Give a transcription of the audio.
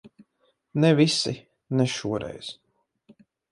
Ne visi. Ne šoreiz.